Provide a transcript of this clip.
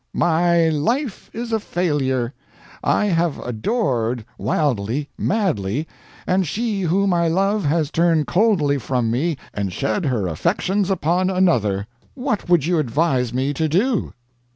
"My life is a failure; I have adored, wildly, madly, and she whom I love has turned coldly from me and shed her affections upon another. What would you advise me to do?"